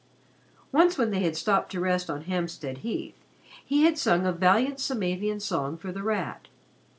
Once when they had stopped to rest on Hampstead Heath, he had sung a valiant Samavian song for The Rat.